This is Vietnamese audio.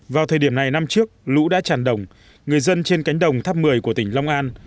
vào thời điểm này năm trước lũ đã tràn đồng người dân trên cánh đồng tháp một mươi của tỉnh long an